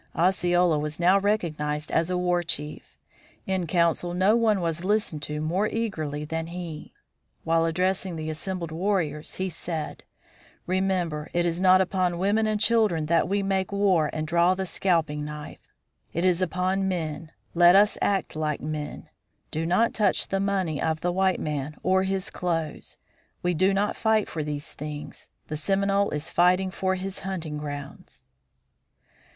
Osceola was now recognized as a war chief. In council no one was listened to more eagerly than he. While addressing the assembled warriors he said: "Remember, it is not upon women and children that we make war and draw the scalping knife. It is upon men. Let us act like men. Do not touch the money of the white man or his clothes. We do not fight for these things. The Seminole is fighting for his hunting grounds."